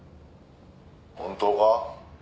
「本当か？」